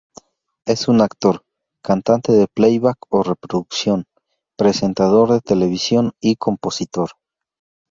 Es un actor, cantante de playback o reproducción, presentador de televisión y compositor.